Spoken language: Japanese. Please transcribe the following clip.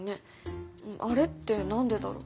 あれって何でだろう？